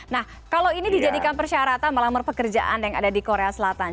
nah kalau ini dijadikan persyaratan melamar pekerjaan yang ada di korea selatan